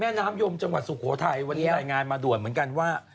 น้ำยมจังหวัดสุโขทัยวันนี้รายงานมาด่วนเหมือนกันว่า